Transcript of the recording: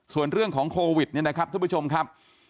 ส่วนเรื่องของโควิดเนี่ยนะครับทุกผู้ชมครับ